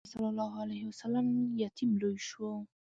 حضرت محمد ﷺ یتیم لوی شو.